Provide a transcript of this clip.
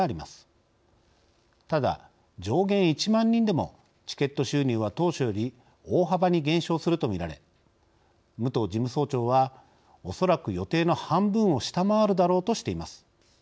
ただ上限１万人でもチケット収入は当初より大幅に減少すると見られ武藤事務総長はおそらく予定の半分を下回るだろうとしています。